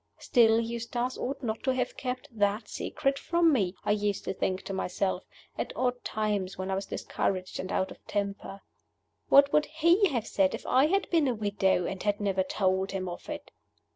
Still, Eustace ought not to have kept that secret from me, I used to think to myself, at odd times when I was discouraged and out of temper. What would he have said if I had been a widow, and had never told him of it?